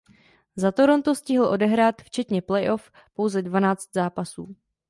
Za Toronto stihl odehrát včetně playoff pouze dvanáct zápasů.